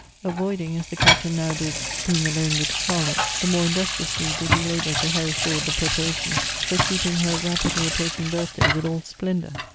Avoiding, as the Captain now did, being alone with Charlotte, the more industriously did he labor to hurry forward the jjreparations for keeping her rapidly approach ing birthday with all splendor.